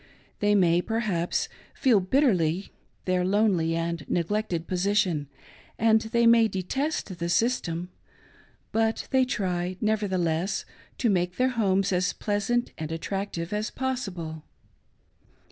They may, perhaps, feel bitr terly their lonely and neglected position, and they may detest the system, but they try, nevertheless, to make their homes as pleasant, and attractive as possible.